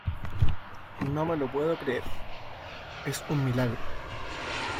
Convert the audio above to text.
no me lo puedo creer. es un milagro .